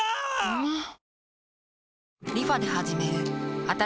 うまっ！！